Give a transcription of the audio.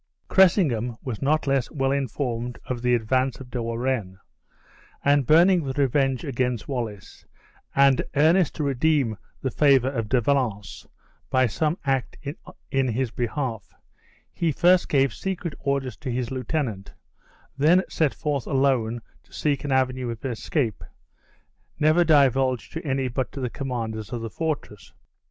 Cressingham was not less well informed of the advance of De Warenne; and burning with revenge against Wallace, and earnest to redeem the favor of De Valence by some act in his behalf, he first gave secret orders to his lieutenant, then set forth alone to seek an avenue of escape, never divulged to any but to the commanders of the fortress.